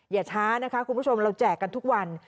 อย่าช้านะคะคุณผู้ชมเราแจกกันทุกวัน